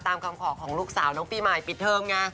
คำขอของลูกสาวน้องปีใหม่ปิดเทอมไง